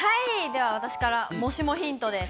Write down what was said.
では私からもしもヒントです。